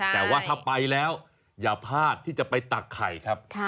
แต่ว่าถ้าไปแล้วอย่าพลาดที่จะไปตักไข่ครับ